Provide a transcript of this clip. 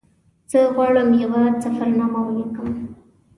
زه غواړم یوه سفرنامه ولیکم.